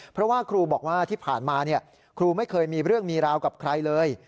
เพราะว่าครูบอกว่าที่ผ่านมาครูไม่เคยมีเรื่องมีราวกับใครเลย